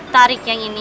tarik yang ini